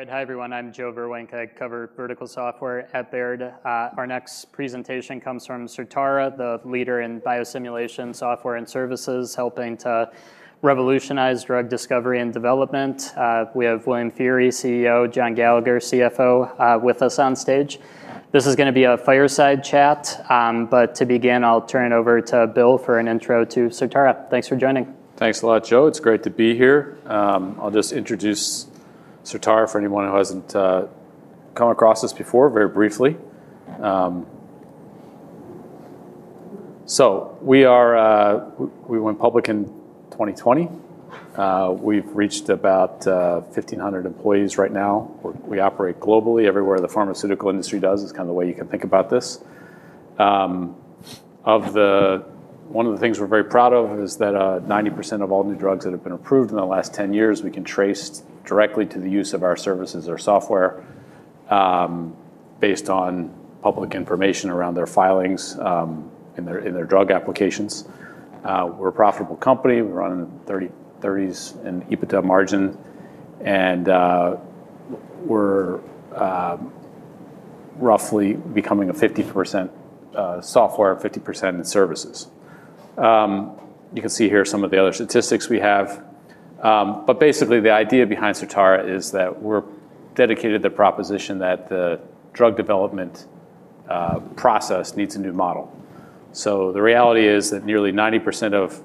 All right. Hi, everyone. I'm Joe Verwink. I cover vertical software at Baird. Our next presentation comes from Certara, the leader in biosimulation software and services helping to revolutionize drug discovery and development. We have William Feehery, CEO, John Gallagher, CFO, with us on stage. This is going to be a fireside chat. To begin, I'll turn it over to Bill for an intro to Certara. Thanks for joining. Thanks a lot, Joe. It's great to be here. I'll just introduce Certara for anyone who hasn't come across us before, very briefly. We went public in 2020. We've reached about 1,500 employees right now. We operate globally everywhere the pharmaceutical industry does, is kind of the way you can think about this. One of the things we're very proud of is that 90% of all new drugs that have been approved in the last 10 years, we can trace directly to the use of our services or software based on public information around their filings in their drug applications. We're a profitable company. We're on 30% in EBITDA margin. We're roughly becoming a 50% software, 50% in services. You can see here some of the other statistics we have. Basically, the idea behind Certara is that we're dedicated to the proposition that the drug development process needs a new model. The reality is that nearly 90% of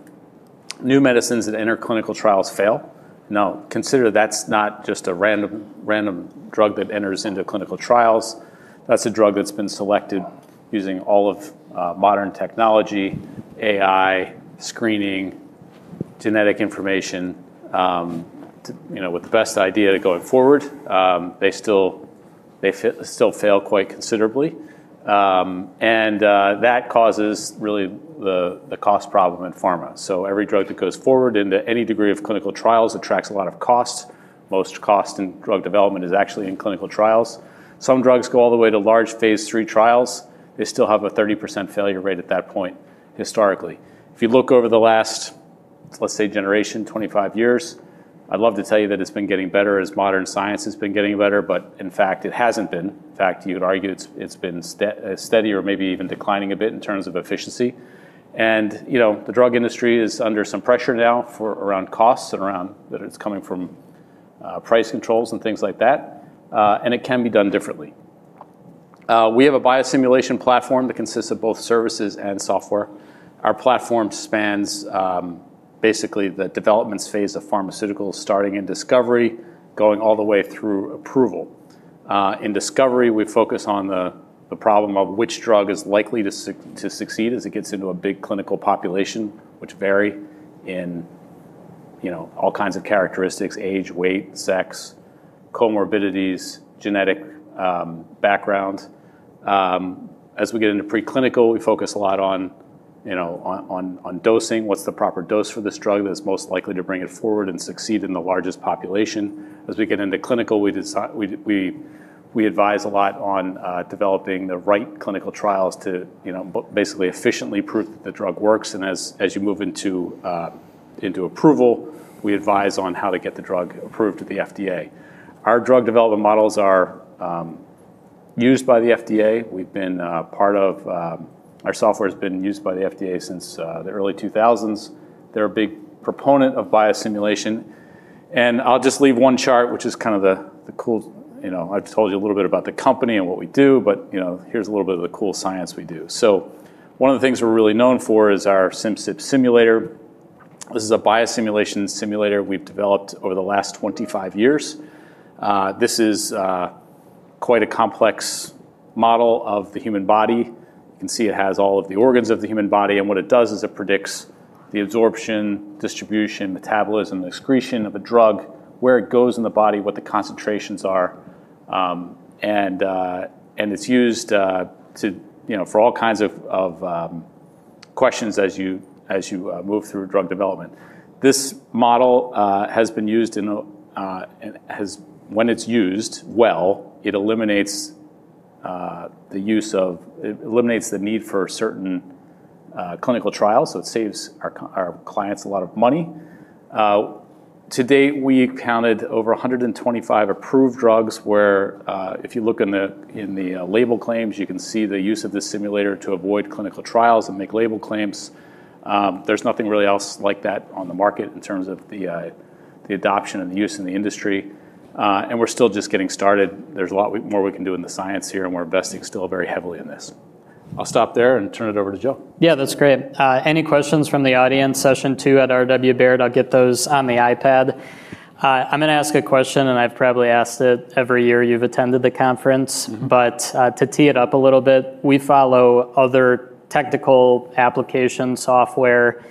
new medicines that enter clinical trials fail. Now, consider that's not just a random drug that enters into clinical trials. That's a drug that's been selected using all of modern technology, AI, screening, genetic information, you know, with the best idea going forward. They still fail quite considerably. That causes really the cost problem in pharma. Every drug that goes forward into any degree of clinical trials attracts a lot of cost. Most cost in drug development is actually in clinical trials. Some drugs go all the way to large phase III trials. They still have a 30% failure rate at that point, historically. If you look over the last, let's say, generation, 25 years, I'd love to tell you that it's been getting better as modern science has been getting better. In fact, it hasn't been. In fact, you'd argue it's been steady or maybe even declining a bit in terms of efficiency. You know, the drug industry is under some pressure now around costs and around that it's coming from price controls and things like that. It can be done differently. We have a biosimulation platform that consists of both services and software. Our platform spans basically the development phase of pharmaceuticals, starting in discovery, going all the way through approval. In discovery, we focus on the problem of which drug is likely to succeed as it gets into a big clinical population, which vary in, you know, all kinds of characteristics: age, weight, sex, comorbidities, genetic background. As we get into preclinical, we focus a lot on, you know, on dosing, what's the proper dose for this drug that is most likely to bring it forward and succeed in the largest population. As we get into clinical, we advise a lot on developing the right clinical trials to, you know, basically efficiently prove that the drug works. As you move into approval, we advise on how to get the drug approved at the FDA. Our drug development models are used by the FDA. Part of our software has been used by the FDA since the early 2000s. They're a big proponent of biosimulation. I'll just leave one chart, which is kind of the cool, you know, I've told you a little bit about the company and what we do. Here's a little bit of the cool science we do. One of the things we're really known for is our Simcyp Discovery Simulator. This is a biosimulation simulator we've developed over the last 25 years. This is quite a complex model of the human body. You can see it has all of the organs of the human body. What it does is it predicts the absorption, distribution, metabolism, and excretion of a drug, where it goes in the body, what the concentrations are. It's used for all kinds of questions as you move through drug development. This model has been used in, when it's used well, it eliminates the need for certain clinical trials. It saves our clients a lot of money. To date, we counted over 125 approved drugs where, if you look in the label claims, you can see the use of the simulator to avoid clinical trials and make label claims. There's nothing really else like that on the market in terms of the adoption and the use in the industry. We're still just getting started. There's a lot more we can do in the science here. We're investing still very heavily in this. I'll stop there and turn it over to Joe. Yeah, that's great. Any questions from the audience? Session two at RW Baird. I'll get those on the iPad. I'm going to ask a question. I've probably asked it every year you've attended the conference. To tee it up a little bit, we follow other technical application software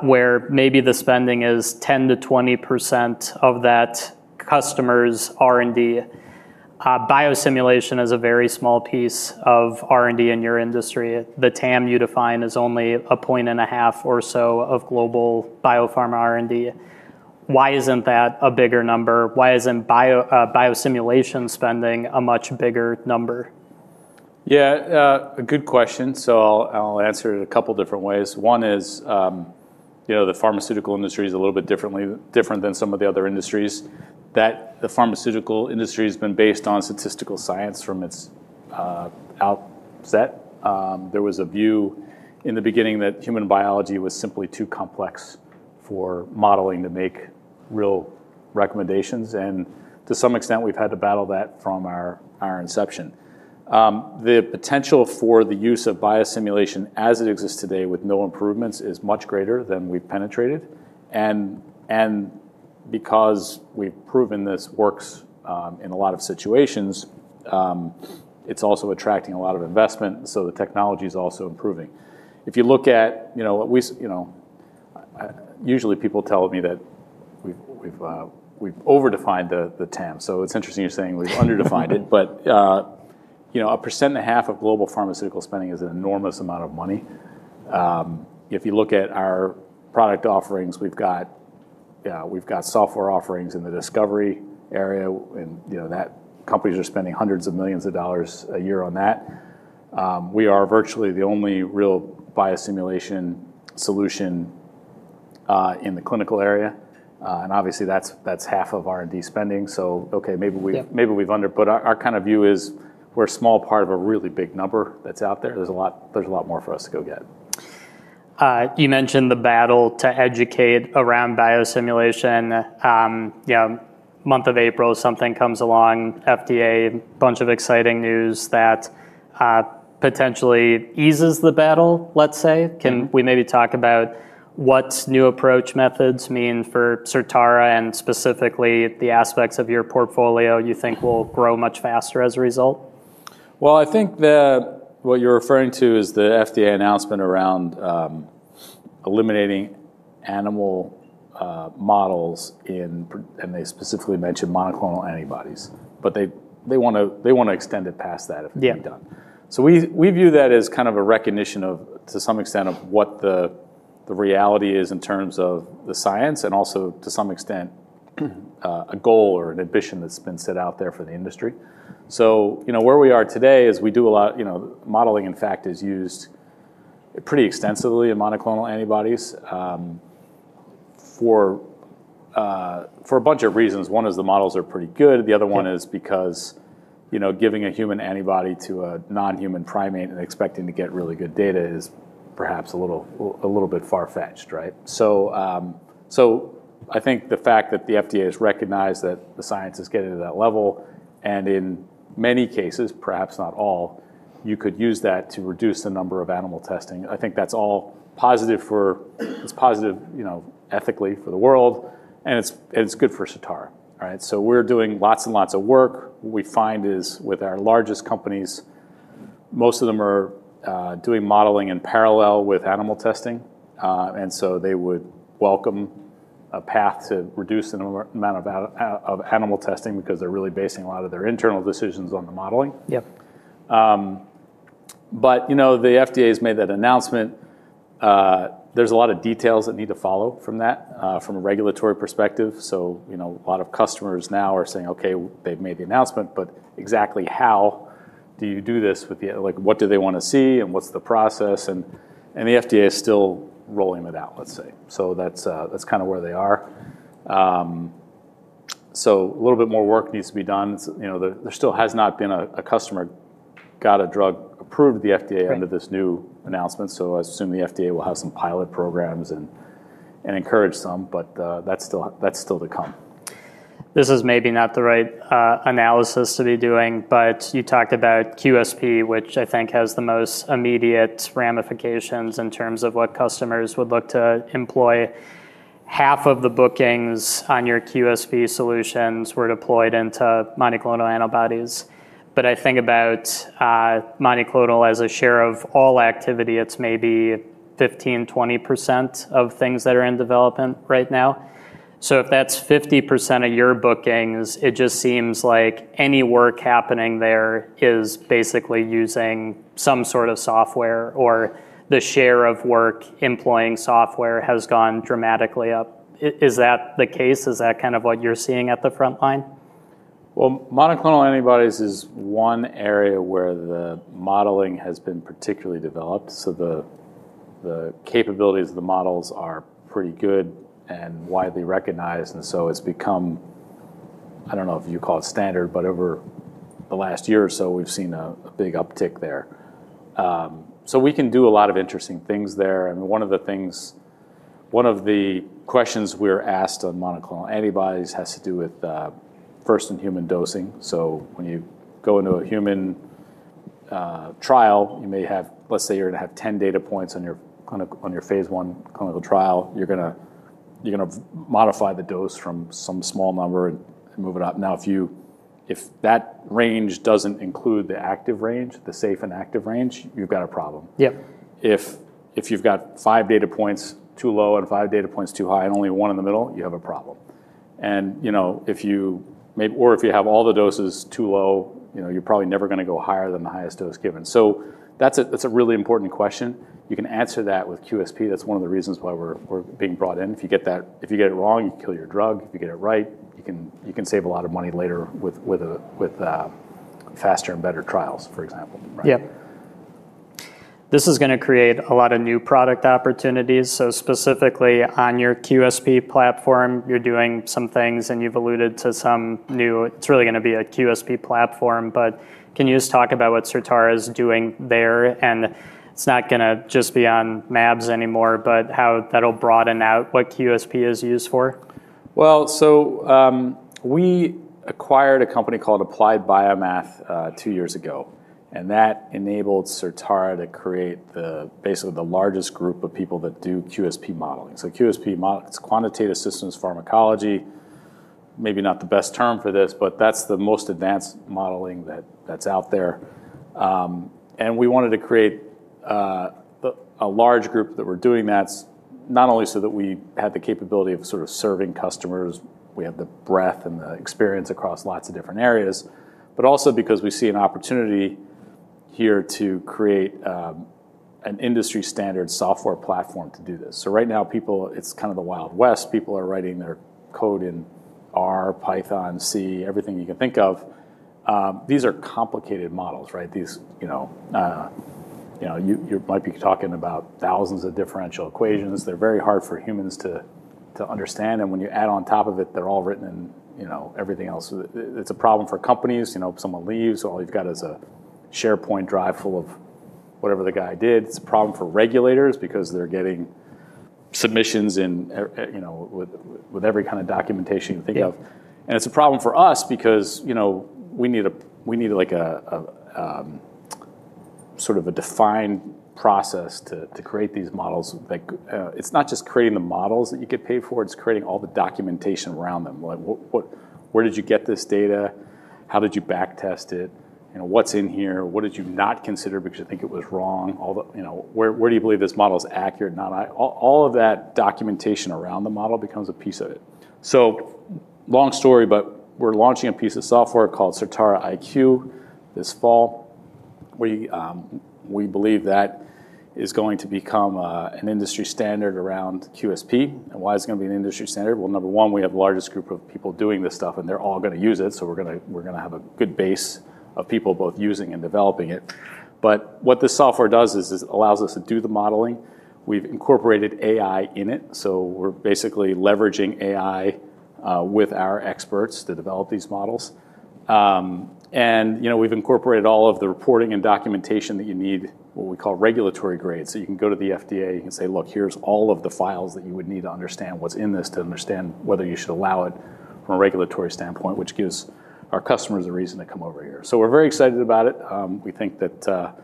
where maybe the spending is 10% to 20% of that customer's R&D. Biosimulation is a very small piece of R&D in your industry. The TAM you define is only a point and a half or so of global biopharma R&D. Why isn't that a bigger number? Why isn't biosimulation spending a much bigger number? Yeah, good question. I'll answer it a couple of different ways. One is, you know, the pharmaceutical industry is a little bit different than some of the other industries. The pharmaceutical industry has been based on statistical science from its outset. There was a view in the beginning that human biology was simply too complex for modeling to make real recommendations. To some extent, we've had to battle that from our inception. The potential for the use of biosimulation as it exists today with no improvements is much greater than we've penetrated. Because we've proven this works in a lot of situations, it's also attracting a lot of investment. The technology is also improving. If you look at, you know, usually people tell me that we've overdefined the TAM. It's interesting you're saying we've underdefined it. You know, 1.5% of global pharmaceutical spending is an enormous amount of money. If you look at our product offerings, we've got software offerings in the discovery area. Companies are spending hundreds of millions of dollars a year on that. We are virtually the only real biosimulation solution in the clinical area. Obviously, that's half of R&D spending. Maybe we've underput. Our kind of view is we're a small part of a really big number that's out there. There's a lot more for us to go get. You mentioned the battle to educate around biosimulation. You know, month of April, something comes along, FDA, a bunch of exciting news that potentially eases the battle, let's say. Can we maybe talk about what new approach methods mean for Certara and specifically the aspects of your portfolio you think will grow much faster as a result? I think what you're referring to is the FDA announcement around eliminating animal models in, and they specifically mentioned monoclonal antibodies. They want to extend it past that if it can be done. We view that as kind of a recognition to some extent of what the reality is in terms of the science and also to some extent a goal or an ambition that's been set out there for the industry. Where we are today is we do a lot, you know, modeling, in fact, is used pretty extensively in monoclonal antibodies for a bunch of reasons. One is the models are pretty good. The other one is because, you know, giving a human antibody to a non-human primate and expecting to get really good data is perhaps a little bit far-fetched, right? I think the fact that the FDA has recognized that the science is getting to that level, and in many cases, perhaps not all, you could use that to reduce the number of animal testing. I think that's all positive for, it's positive, you know, ethically for the world. It's good for Certara. We're doing lots and lots of work. What we find is with our largest companies, most of them are doing modeling in parallel with animal testing. They would welcome a path to reduce the amount of animal testing because they're really basing a lot of their internal decisions on the modeling. The FDA has made that announcement. There are a lot of details that need to follow from that from a regulatory perspective. A lot of customers now are saying, OK, they've made the announcement. Exactly how do you do this? What do they want to see? What's the process? The FDA is still rolling it out, let's say. That's kind of where they are. A little bit more work needs to be done. There still has not been a customer who got a drug approved by the FDA under this new announcement. I assume the FDA will have some pilot programs and encourage some. That's still to come. This is maybe not the right analysis to be doing. You talked about QSP, which I think has the most immediate ramifications in terms of what customers would look to employ. Half of the bookings on your QSP solutions were deployed into monoclonal antibodies. I think about monoclonal as a share of all activity, it's maybe 15% to 20% of things that are in development right now. If that's 50% of your bookings, it just seems like any work happening there is basically using some sort of software. The share of work employing software has gone dramatically up. Is that the case? Is that kind of what you're seeing at the front line? Monoclonal antibodies is one area where the modeling has been particularly developed. The capabilities of the models are pretty good and widely recognized. It has become, I don't know if you call it standard, but over the last year or so, we've seen a big uptick there. We can do a lot of interesting things there. One of the questions we're asked on monoclonal antibodies has to do with first-in-human dosing. When you go into a human trial, you may have, let's say you're going to have 10 data points on your phase I clinical trial. You're going to modify the dose from some small number and move it up. If that range doesn't include the active range, the safe and active range, you've got a problem. If you've got five data points too low and five data points too high and only one in the middle, you have a problem. If you have all the doses too low, you're probably never going to go higher than the highest dose given. That's a really important question. You can answer that with QSP. That's one of the reasons why we're being brought in. If you get it wrong, you kill your drug. If you get it right, you can save a lot of money later with faster and better trials, for example. Yeah. This is going to create a lot of new product opportunities. Specifically on your QSP platform, you're doing some things. You've alluded to some new, it's really going to be a QSP platform. Can you just talk about what Certara is doing there? It's not going to just be on monoclonal antibodies anymore, but how that'll broaden out what QSP is used for? We acquired a company called Applied Biomath two years ago. That enabled Certara to create basically the largest group of people that do QSP modeling. QSP modeling, it's quantitative systems pharmacology. Maybe not the best term for this, but that's the most advanced modeling that's out there. We wanted to create a large group that were doing that, not only so that we had the capability of sort of serving customers, we had the breadth and the experience across lots of different areas, but also because we see an opportunity here to create an industry-standard software platform to do this. Right now, it's kind of the Wild West. People are writing their code in R, Python, C, everything you can think of. These are complicated models, right? You might be talking about thousands of differential equations. They're very hard for humans to understand. When you add on top of it, they're all written in, you know, everything else. It's a problem for companies. If someone leaves, all you've got is a SharePoint drive full of whatever the guy did. It's a problem for regulators because they're getting submissions in with every kind of documentation you can think of. It's a problem for us because we need a sort of defined process to create these models. It's not just creating the models that you get paid for. It's creating all the documentation around them. Where did you get this data? How did you backtest it? What's in here? What did you not consider because you think it was wrong? Where do you believe this model is accurate? All of that documentation around the model becomes a piece of it. Long story, but we're launching a piece of software called Certara IQ this fall. We believe that is going to become an industry standard around QSP. Why is it going to be an industry standard? Number one, we have the largest group of people doing this stuff, and they're all going to use it. We're going to have a good base of people both using and developing it. What the software does is it allows us to do the modeling. We've incorporated AI in it. We're basically leveraging AI with our experts to develop these models. We've incorporated all of the reporting and documentation that you need, what we call regulatory grade, so you can go to the FDA. You can say, look, here's all of the files that you would need to understand what's in this to understand whether you should allow it from a regulatory standpoint, which gives our customers a reason to come over here. We are very excited about it. We think that,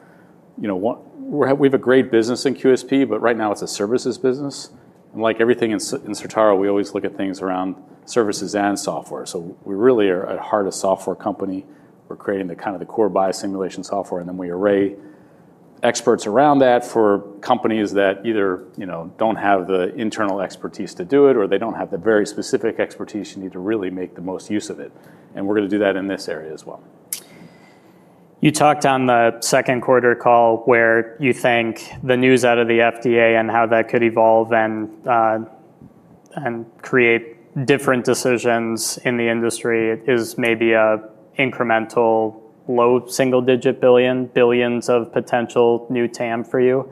you know, we have a great business in QSP. Right now, it's a services business. Like everything in Certara, we always look at things around services and software. We really are at heart a software company. We're creating the core biosimulation software, and then we array experts around that for companies that either, you know, don't have the internal expertise to do it or they don't have the very specific expertise you need to really make the most use of it. We're going to do that in this area as well. You talked on the second quarter call where you think the news out of the FDA and how that could evolve and create different decisions in the industry is maybe an incremental low single-digit billion, billions of potential new TAM for you.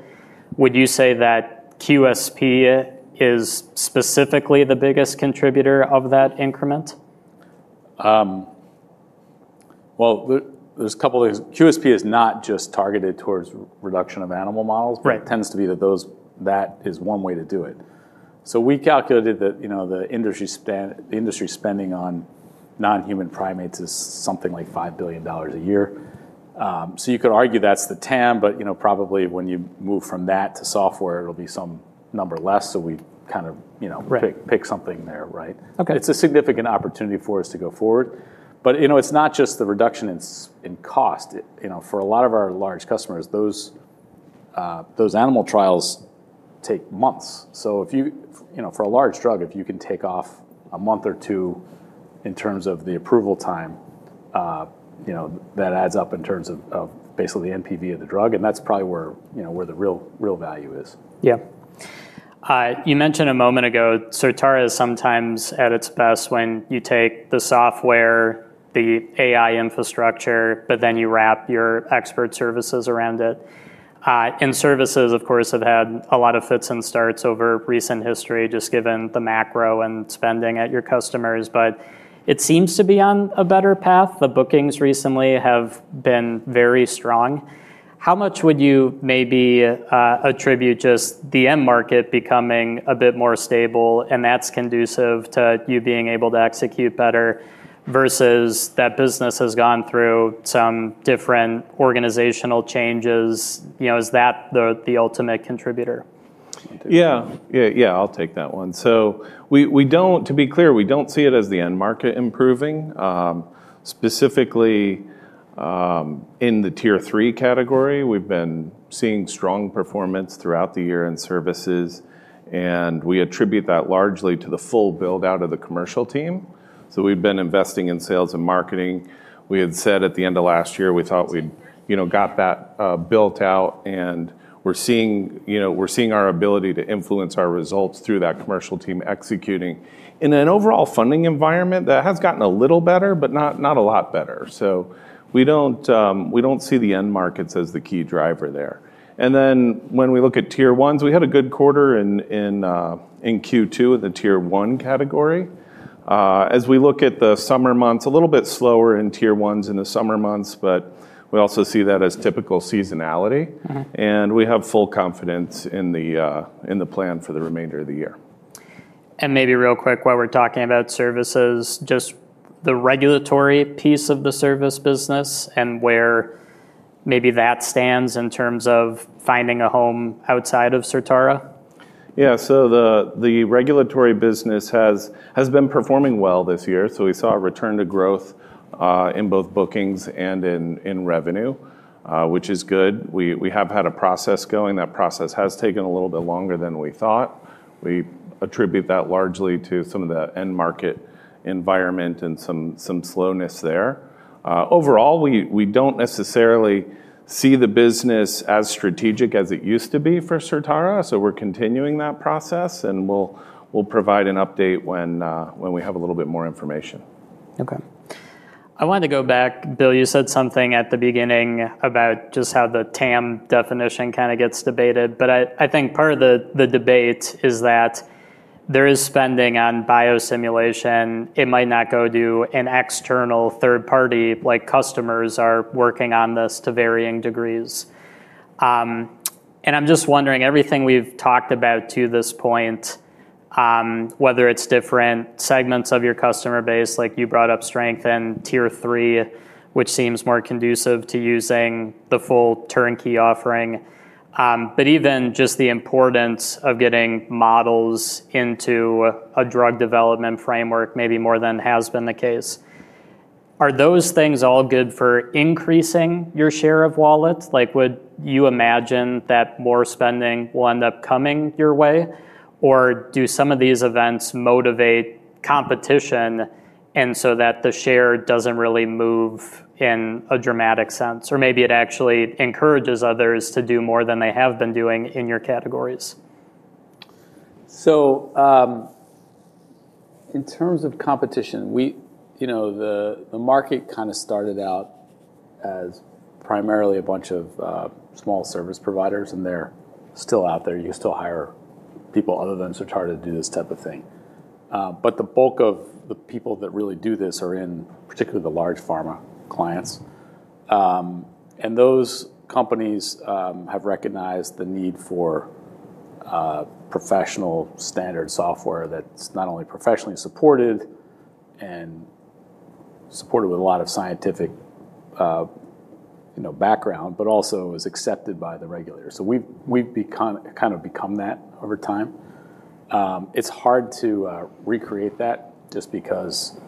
Would you say that QSP is specifically the biggest contributor of that increment? There are a couple of things. QSP is not just targeted towards reduction of animal models. It tends to be that that is one way to do it. We calculated that the industry spending on non-human primates is something like $5 billion a year. You could argue that's the TAM. Probably when you move from that to software, it'll be some number less. We've kind of picked something there, right? It's a significant opportunity for us to go forward. It's not just the reduction in cost. For a lot of our large customers, those animal trials take months. For a large drug, if you can take off a month or two in terms of the approval time, that adds up in terms of basically the NPV of the drug. That's probably where the real value is. Yeah. You mentioned a moment ago, Certara is sometimes at its best when you take the software, the AI/data infrastructure, but then you wrap your expert services around it. Services, of course, have had a lot of fits and starts over recent history, just given the macro and spending at your customers. It seems to be on a better path. The bookings recently have been very strong. How much would you maybe attribute just the end market becoming a bit more stable and that's conducive to you being able to execute better versus that business has gone through some different organizational changes? Is that the ultimate contributor? Yeah, I'll take that one. We don't, to be clear, we don't see it as the end market improving. Specifically, in the tier III category, we've been seeing strong performance throughout the year in services. We attribute that largely to the full build-out of the commercial team. We've been investing in sales and marketing. We had said at the end of last year, we thought we'd got that built out. We're seeing our ability to influence our results through that commercial team executing in an overall funding environment that has gotten a little better, but not a lot better. We don't see the end markets as the key driver there. When we look at tier Is, we had a good quarter in Q2 in the tier I category. As we look at the summer months, a little bit slower in tier I in the summer months, but we also see that as typical seasonality. We have full confidence in the plan for the remainder of the year. Maybe real quick, while we're talking about services, just the regulatory piece of the service business and where that stands in terms of finding a home outside of Certara? Yeah, the regulatory business has been performing well this year. We saw a return to growth in both bookings and in revenue, which is good. We have had a process going. That process has taken a little bit longer than we thought. We attribute that largely to some of the end market environment and some slowness there. Overall, we don't necessarily see the business as strategic as it used to be for Certara. We're continuing that process. We'll provide an update when we have a little bit more information. OK. I wanted to go back. Bill, you said something at the beginning about just how the TAM definition kind of gets debated. I think part of the debate is that there is spending on biosimulation. It might not go to an external third party. Customers are working on this to varying degrees. I'm just wondering, everything we've talked about to this point, whether it's different segments of your customer base, like you brought up strength in tier III, which seems more conducive to using the full turnkey offering, even just the importance of getting models into a drug development framework maybe more than has been the case, are those things all good for increasing your share of wallets? Would you imagine that more spending will end up coming your way? Do some of these events motivate competition and so that the share doesn't really move in a dramatic sense? Maybe it actually encourages others to do more than they have been doing in your categories? In terms of competition, the market kind of started out as primarily a bunch of small service providers. They're still out there. You can still hire people other than Certara to do this type of thing. The bulk of the people that really do this are in particularly the large pharma clients. Those companies have recognized the need for professional standard software that's not only professionally supported and supported with a lot of scientific background, but also is accepted by the regulators. We've kind of become that over time. It's hard to recreate that just because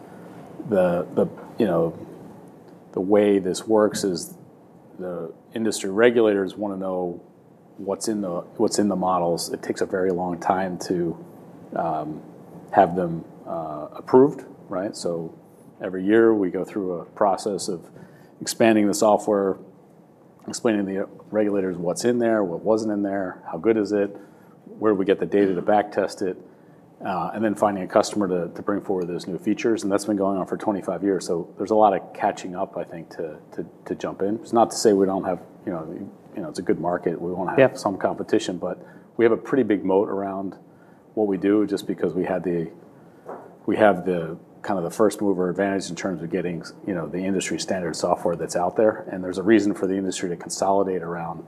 the way this works is the industry regulators want to know what's in the models. It takes a very long time to have them approved, right? Every year, we go through a process of expanding the software, explaining to the regulators what's in there, what wasn't in there, how good is it, where do we get the data to backtest it, and then finding a customer to bring forward those new features. That's been going on for 25 years. There's a lot of catching up, I think, to jump in. It's not to say we don't have, you know, it's a good market. We want to have some competition. We have a pretty big moat around what we do just because we have the kind of the first-mover advantage in terms of getting, you know, the industry-standard software that's out there. There's a reason for the industry to consolidate around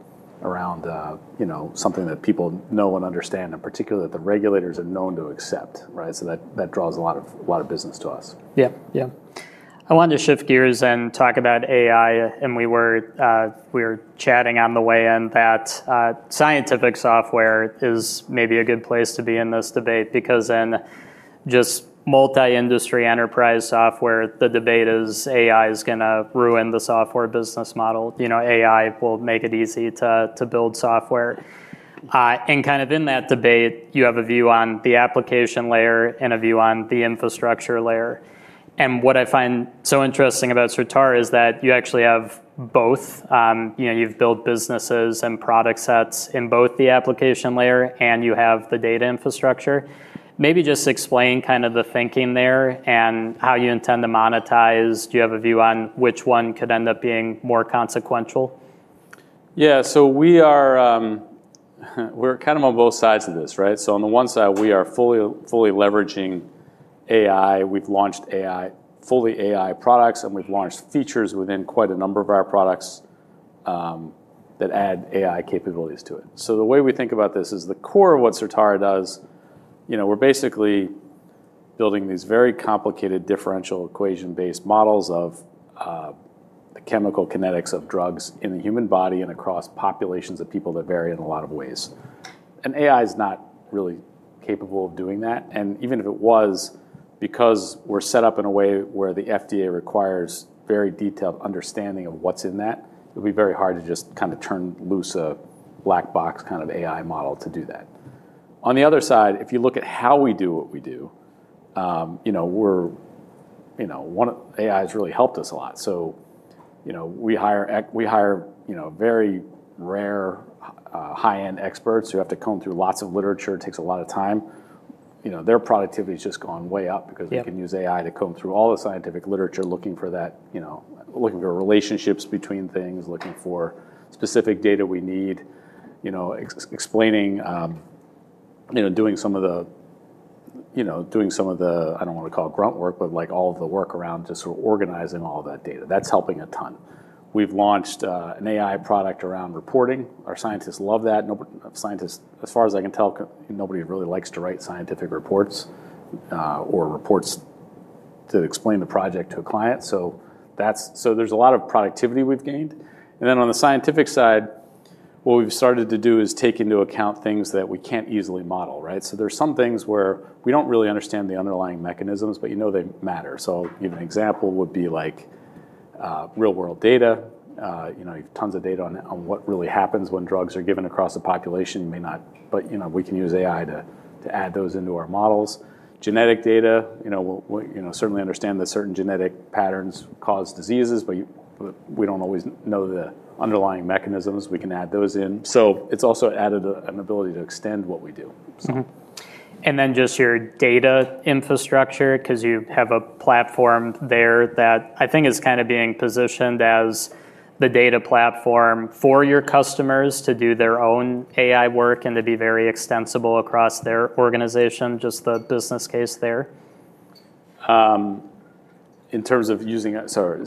something that people know and understand, in particular that the regulators are known to accept, right? That draws a lot of business to us. I wanted to shift gears and talk about AI. We were chatting on the way in that scientific software is maybe a good place to be in this debate because in just multi-industry enterprise software, the debate is AI is going to ruin the software business model. AI will make it easy to build software. In that debate, you have a view on the application layer and a view on the infrastructure layer. What I find so interesting about Certara is that you actually have both. You've built businesses and product sets in both the application layer and you have the data infrastructure. Maybe just explain the thinking there and how you intend to monetize. Do you have a view on which one could end up being more consequential? Yeah, so we're kind of on both sides of this, right? On the one side, we are fully leveraging AI. We've launched fully AI products, and we've launched features within quite a number of our products that add AI capabilities to it. The way we think about this is the core of what Certara does. We're basically building these very complicated differential equation-based models of the chemical kinetics of drugs in the human body and across populations of people that vary in a lot of ways. AI is not really capable of doing that, and even if it was, because we're set up in a way where the FDA requires very detailed understanding of what's in that, it would be very hard to just kind of turn loose a black box kind of AI model to do that. On the other side, if you look at how we do what we do, AI has really helped us a lot. We hire very rare high-end experts. You have to comb through lots of literature. It takes a lot of time. Their productivity has just gone way up because they can use AI to comb through all the scientific literature looking for that, looking for relationships between things, looking for specific data we need, explaining, doing some of the work around just sort of organizing all of that data. That's helping a ton. We've launched an AI product around reporting. Our scientists love that. Scientists, as far as I can tell, nobody really likes to write scientific reports or reports to explain the project to a client. There's a lot of productivity we've gained. On the scientific side, what we've started to do is take into account things that we can't easily model. There are some things where we don't really understand the underlying mechanisms, but you know they matter. An example would be real-world data. You have tons of data on what really happens when drugs are given across a population. We can use AI to add those into our models. Genetic data, we certainly understand that certain genetic patterns cause diseases, but we don't always know the underlying mechanisms. We can add those in. It's also added an ability to extend what we do. Regarding your data infrastructure, you have a platform there that I think is kind of being positioned as the data platform for your customers to do their own AI work and to be very extensible across their organization. Just the business case there. In terms of using, sorry.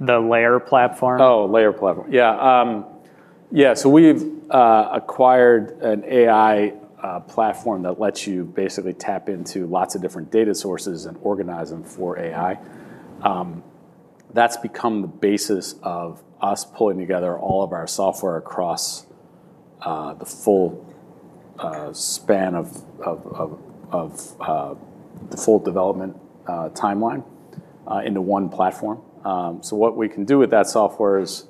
The Layer platform. Oh, Layer platform. Yeah, yeah. We've acquired an AI platform that lets you basically tap into lots of different data sources and organize them for AI. That's become the basis of us pulling together all of our software across the full span of the full development timeline into one platform. What we can do with that software is,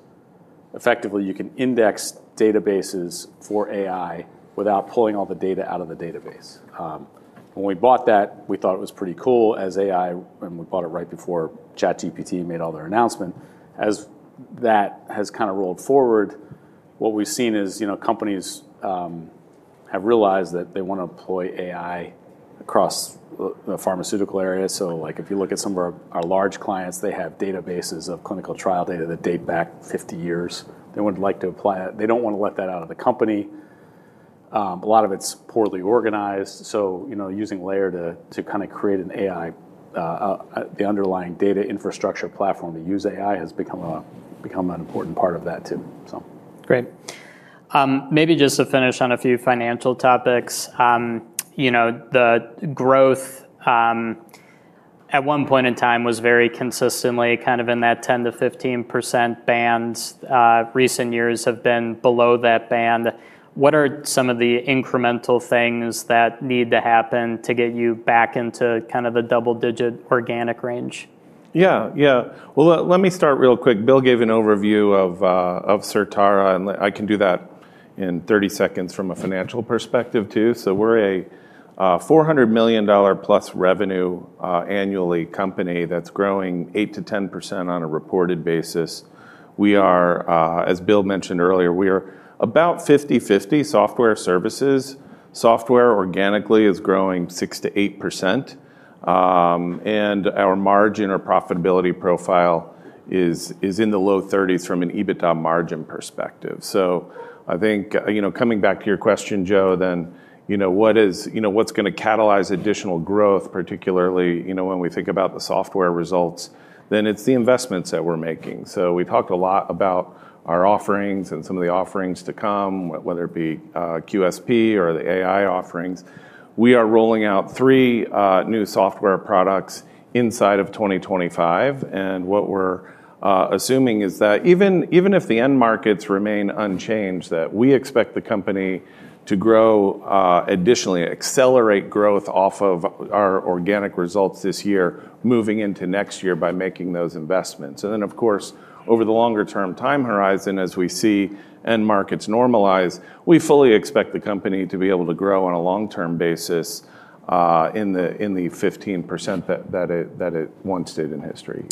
effectively, you can index databases for AI without pulling all the data out of the database. When we bought that, we thought it was pretty cool as AI, and we bought it right before ChatGPT made all their announcement. As that has kind of rolled forward, what we've seen is, you know, companies have realized that they want to employ AI across the pharmaceutical area. If you look at some of our large clients, they have databases of clinical trial data that date back 50 years. They wouldn't like to apply it. They don't want to let that out of the company. A lot of it's poorly organized. Using Layer to kind of create an AI, the underlying data infrastructure platform to use AI has become an important part of that too. Great. Maybe just to finish on a few financial topics, the growth at one point in time was very consistently kind of in that 10% to 15% bands. Recent years have been below that band. What are some of the incremental things that need to happen to get you back into kind of the double-digit organic range? Let me start real quick. Bill gave an overview of Certara. I can do that in 30 seconds from a financial perspective too. We're a $400 million plus revenue annually company that's growing 8% to 10% on a reported basis. As Bill mentioned earlier, we are about 50/50 software services. Software organically is growing 6% to 8%. Our margin, our profitability profile is in the low 30s from an EBITDA margin perspective. I think, coming back to your question, Joe, what's going to catalyze additional growth, particularly when we think about the software results, it's the investments that we're making. We've talked a lot about our offerings and some of the offerings to come, whether it be QSP or the AI offerings. We are rolling out three new software products inside of 2025. What we're assuming is that even if the end markets remain unchanged, we expect the company to grow additionally, accelerate growth off of our organic results this year, moving into next year by making those investments. Of course, over the longer-term time horizon, as we see end markets normalize, we fully expect the company to be able to grow on a long-term basis in the 15% that it once did in history.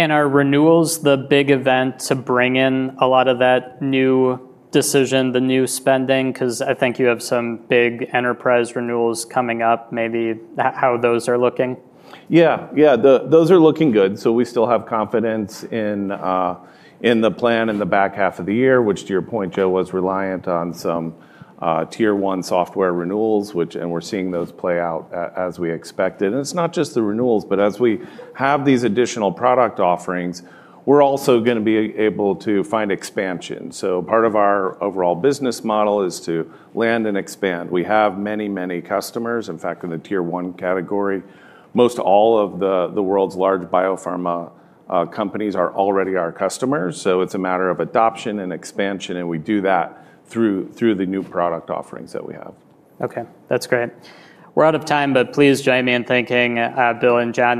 Are renewals the big event to bring in a lot of that new decision, the new spending? I think you have some big enterprise renewals coming up. Maybe how those are looking? Yeah, those are looking good. We still have confidence in the plan in the back half of the year, which to your point, Joe, was reliant on some tier I software renewals, and we're seeing those play out as we expected. It's not just the renewals, but as we have these additional product offerings, we're also going to be able to find expansion. Part of our overall business model is to land and expand. We have many, many customers. In fact, in the tier I category, most all of the world's large biopharma companies are already our customers. It's a matter of adoption and expansion. We do that through the new product offerings that we have. OK, that's great. We're out of time. Please join me in thanking Bill and John.